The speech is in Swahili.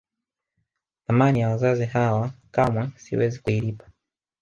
Thamani ya wazazi hawa kamwe siwezi kuilipa